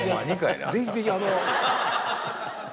ぜひぜひあの。